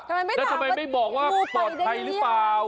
แล้วทำไมไม่บอกว่าปลอดภัยหรือเปล่า